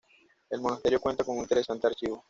El monasterio cuenta con un interesante archivo.